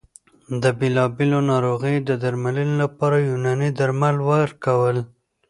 د بېلابېلو ناروغیو د درملنې لپاره یوناني درمل ورکول